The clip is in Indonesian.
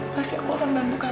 pasti aku akan bantu kak